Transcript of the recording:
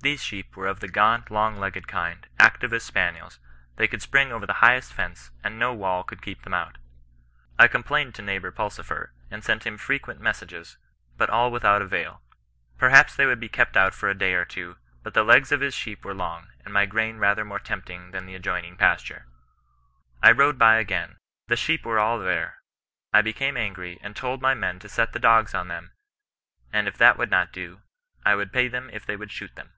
These sheep were of the gaunt, long legged kind, active as spaniels — they could spring over the highest fence, and no wall could CHRISTIAN NON RESISTANCE. 105 keep them out. I complained to neighbour Pulsifer, and sent him frequent messages, but all without ayalL Perhaps they would be kept out for a day or two, but the legs of his sheep were long, and my grain rather more tempting than the adjoining pasture. I rode by again — the sheep were all there — I became angry, and told my men to set the dogs on them, and if that would not do, I would pay them if they would shoot them.